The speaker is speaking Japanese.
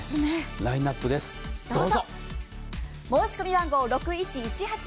ラインナップです、どうぞ。